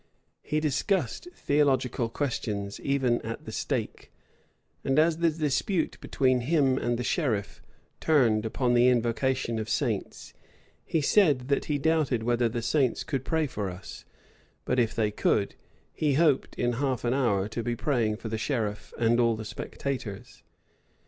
He discussed theological questions even at the stake; and as the dispute between him and the sheriff turned upon the invocation of saints, he said, that he doubted whether the saints could pray for us; but if they could, he hoped in half an hour to be praying for the sheriff and all the spectators.